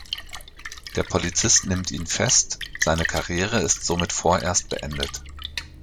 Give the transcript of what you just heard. Der Polizist nimmt ihn fest, seine Karriere ist somit vorerst beendet.